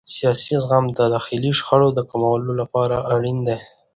سیاسي زغم د داخلي شخړو د کمولو لپاره اړین دی